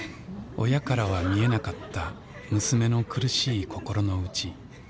親からは見えなかった娘の苦しい心の内。